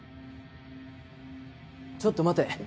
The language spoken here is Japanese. ちょっと待て。